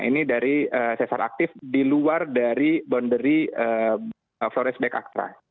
ini dari sesar aktif di luar dari boundary flores back actry